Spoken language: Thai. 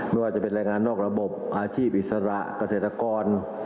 ไม่ว่าจะเป็นรายงานนอกระบบอาชีพอิสระกระเศรษฐกร